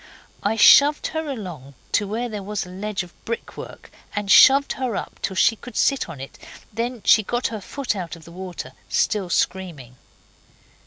I shoved her along to where there was a ledge of brickwork, and shoved her up, till she could sit on it, then she got her foot out of the water, still screaming.